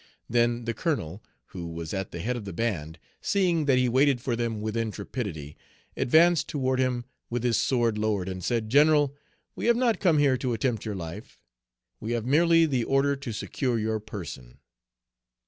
Then the colonel, who was at the head of the band, seeing that he waited for them with intrepidity, advanced toward him with his sword lowered, and said, "General, we have not come here to attempt your life. We have merely the order to secure your person."